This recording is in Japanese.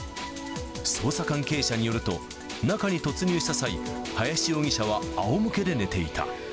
捜査関係者によると、中に突入した際、林容疑者はあおむけで寝ていた。